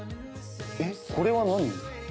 えっこれは何？